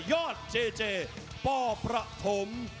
ยอดเจเจปอประธม